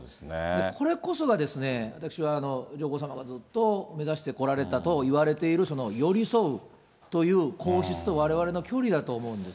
これこそが私は、上皇さまがずっと目指してこられたといわれている寄り添うという、皇室とわれわれの距離だと思うんです。